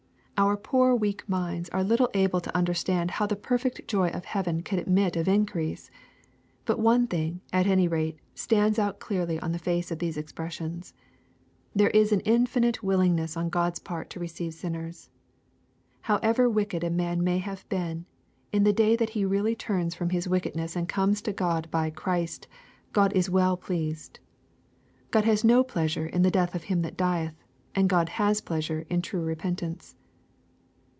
Our poor weak minds are little able to understand how the perfect joy of heaven can admit of increase. But one thing, at any rate, stands out clearly on the face of these expressions. There is an infinite willingness on God's part to receive sinners. However wicked a man may have been, in the day that he really turns from his wickedness and comes to God by Christ, God is well pleased. ; God has no pleasure in the death of him that dieth, and God has pleasure in true repentance.